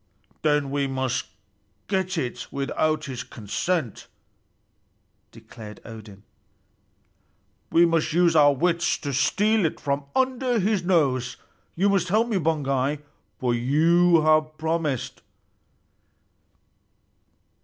"Then we must get it without his consent," declared Odin. "We must use our wits to steal it from under his nose. You must help me, Baugi, for you have promised."